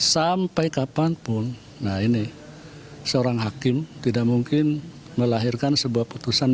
sampai kapanpun nah ini seorang hakim tidak mungkin melahirkan sebuah putusan